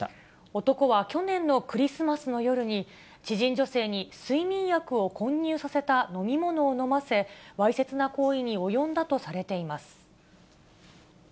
男は去年のクリスマスの夜に知人女性に睡眠薬を混入された飲み物を飲ませ、わいせつな行為に及んだとされています。